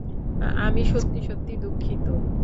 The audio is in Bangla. আমি সত্যি সত্যি দুঃখিত।